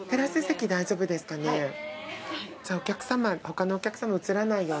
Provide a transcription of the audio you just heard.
じゃあ他のお客さま映らないように。